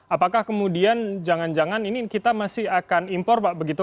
apakah kemudian jangan jangan ini kita masih akan impor pak begitu